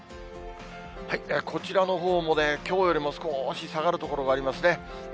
こちらのほうもね、きょうよりも少し下がる所がありますね。